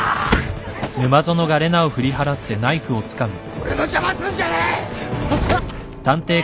俺の邪魔すんじゃねえ！